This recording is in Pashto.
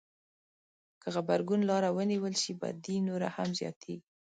که غبرګون لاره ونیول شي بدي نوره هم زياتېږي.